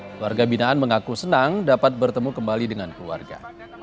keluarga binaan mengaku senang dapat bertemu kembali dengan keluarga